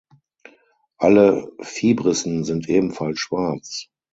Alle Vibrissen sind ebenfalls schwarz.